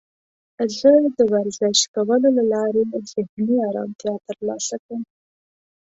زه د ورزش کولو له لارې ذهني آرامتیا ترلاسه کوم.